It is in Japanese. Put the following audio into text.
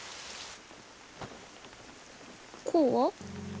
こうは？